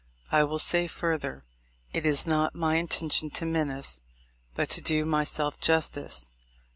I will say further, it is not my intention to menace, but to do myself justice.